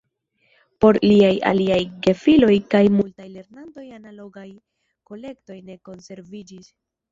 Por liaj aliaj gefiloj kaj multaj lernantoj analogaj kolektoj ne konserviĝis.